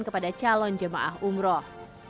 kepada calon jemaah umroh